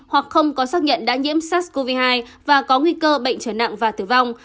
hoặc không có xác nhận đã nhiễm sars cov hai và có nguy cơ bệnh trở nặng và tử vong